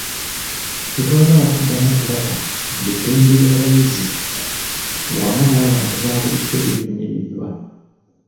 Tetwagala kuddamu kulaba ng'eddembe ly'abayizi wamu n'abantu babulijjo lirinyiriddwa.